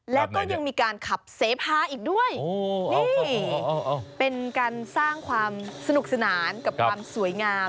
แล้วก็ยังมีการขับเสพาอีกด้วยนี่เป็นการสร้างความสนุกสนานกับความสวยงาม